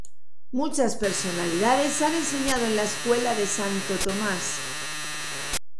Muchas personalidades han enseñado en la escuela de Santo Tomás.